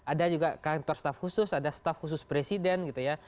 ada juga kantor staff khusus ada staff khusus presiden gitu ya